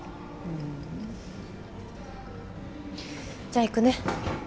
じゃあ行くね。